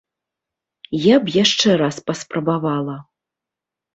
Я б яшчэ раз паспрабавала.